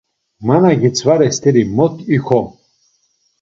Ma na gitzvare steri mot ikom!